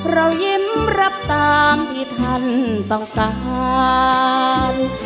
เรายิ้มรับตามที่ท่านต้องการ